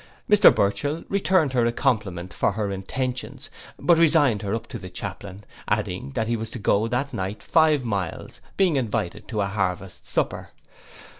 Mr Burchell returned her a compliment for her intentions; but resigned her up to the chaplain, adding that he was to go that night five miles, being invited to an harvest supper.